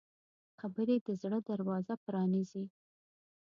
خبرې د زړه دروازه پرانیزي